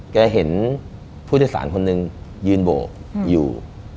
แกเห็นผู้โดยสารคนหนึ่งยืนโบกอยู่